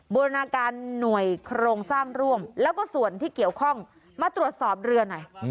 บูรณาการหน่วยโครงสร้างร่วมแล้วก็ส่วนที่เกี่ยวข้องมาตรวจสอบเรือหน่อย